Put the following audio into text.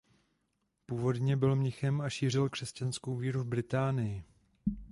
Původně byl mnichem a šířil křesťanskou víru v Británii.